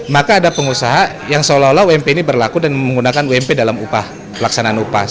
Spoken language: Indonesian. maka ada pengusaha yang seolah olah ump ini berlaku dan menggunakan ump dalam upah pelaksanaan upah